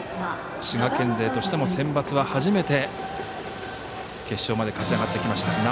滋賀県勢としてもセンバツは初めて決勝まで勝ち上がってきました。